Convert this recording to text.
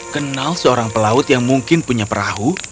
kenal seorang pelaut yang mungkin punya perahu